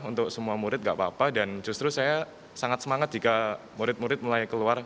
untuk semua murid nggak apa apa dan justru saya sangat semangat jika murid murid mulai keluar